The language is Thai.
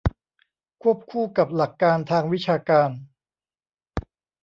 ควบคู่กับหลักการทางวิชาการ